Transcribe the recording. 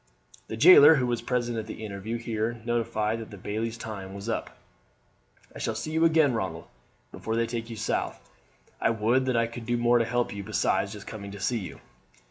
The jailer, who was present at the interview, here notified that the bailie's time was up. "I shall see you again, Ronald, before they take you south. I would that I could do more to help you besides just coming to see you."